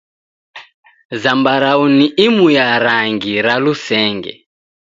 Zambarau ni imu ya rangi ra lusenge.